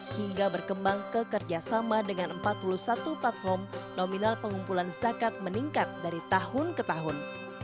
hingga berkembang ke kerjasama dengan empat puluh satu platform nominal pengumpulan zakat meningkat dari tahun ke tahun